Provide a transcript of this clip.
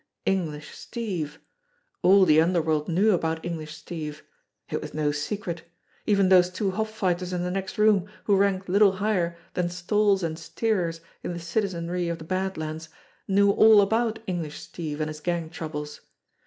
English Steve ! All the under world knew about English Steve! It was no secret. Even those two hop fighters in the next room, who ranked little higher than stalls and steerers in the citizenry of the Bad Lands, knew all about English Steve and his gang troubles.